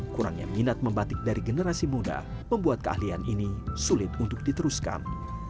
kurangnya minat membatik dari generasi muda membuat keahlian ini sulit untuk diteruskan